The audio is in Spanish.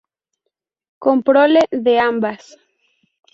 Con prole de ambas.